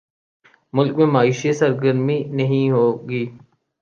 ملک میں معاشی سرگرمی نہیں ہو گی۔